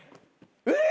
えっ！？